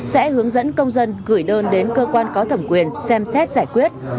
sẽ hướng dẫn công dân gửi đơn đến cơ quan có thẩm quyền xem xét giải quyết